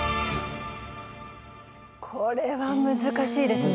これは難しいですね。